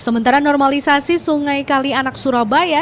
sementara normalisasi sungai kalianak surabaya